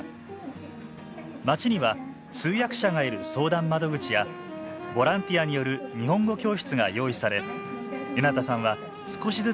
町には通訳者がいる相談窓口やボランティアによる日本語教室が用意されレナタさんは少しずつ日本の暮らしになじんでいきました